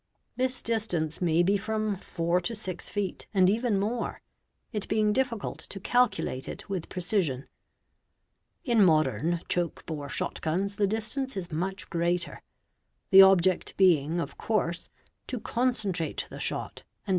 This distance may be from _ four to six feet and even more, it being difficult to calculate it with pre ;_ cision; in modern choke bore shot guns the distance is much greater, the object being of course to concentrate the shot and.